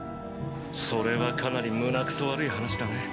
それはかなり胸くそ悪い話だね。